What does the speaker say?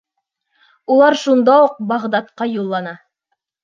Улар шунда уҡ Бағдадҡа юллана.